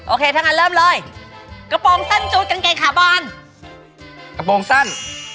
ถ้างั้นเริ่มเลยกระโปรงสั้นจูดกางเกงขาบอลกระโปรงสั้น